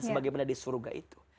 sebagaimana di surga itu